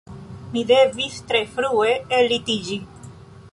Mi devis tre frue ellitiĝi